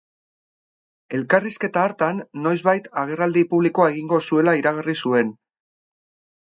Elkarrizketa hartan, noizbait agerraldi publikoa egingo zuela iragarri zuen.